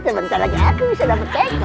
sebentar lagi aku bisa dapet teko